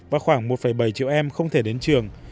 và khoảng một bảy triệu em không thể đến trường